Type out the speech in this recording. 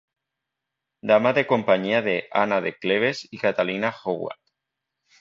Dama de compañía de Ana de Cleves y Catalina Howard.